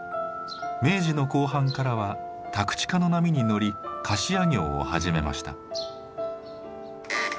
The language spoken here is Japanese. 明治の後半からは宅地化の波に乗り貸家業を始めました。